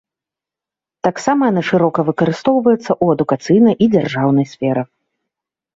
Таксама яна шырока выкарыстоўваецца ў адукацыйнай і дзяржаўнай сферах.